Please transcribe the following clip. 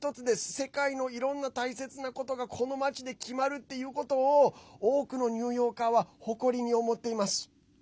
世界のいろんな大切なことがこの街で決まるっていうことを多くのニューヨーカーは誇りを持っています。